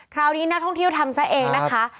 คราวนี้นักท่องเที่ยวทำซะเองนะคะ